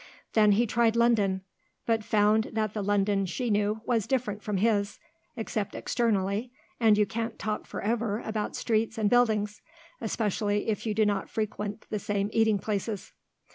Then he tried London, but found that the London she knew was different from his, except externally, and you can't talk for ever about streets and buildings, especially if you do not frequent the same eating places.